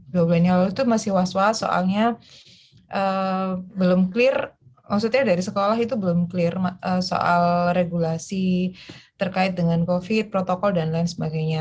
dua bulan yang lalu itu masih was was soalnya belum clear maksudnya dari sekolah itu belum clear soal regulasi terkait dengan covid protokol dan lain sebagainya